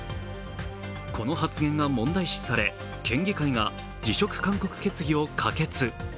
この発言が問題視され、県議会が辞職勧告決議を可決。